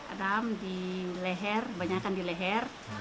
ada di leher banyak di leher